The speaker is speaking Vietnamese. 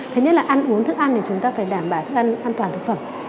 thứ nhất là ăn uống thức ăn thì chúng ta phải đảm bảo thức ăn toàn thực phẩm